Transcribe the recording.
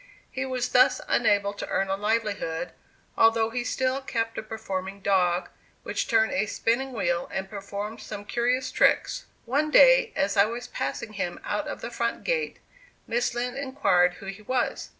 He was thus unable to earn a livelihood, although he still kept a performing dog, which turned a spinning wheel and performed some curious tricks. One day, as I was passing him out of the front gate, Miss Lind inquired who he was.